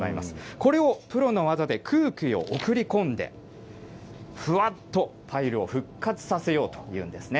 これをプロの技で空気を送り込んで、ふわっとパイルを復活させようというんですね。